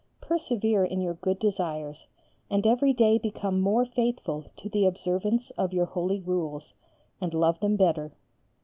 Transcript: Persevere in your good desires and every day become more faithful to the observance of your holy Rules and love them better.